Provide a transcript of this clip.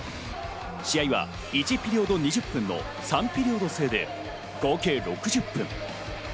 試合は１ピリオド２０分の３ピリオド制で合計６０分。